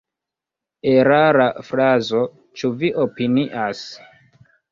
Erara frazo, ĉu vi opinias?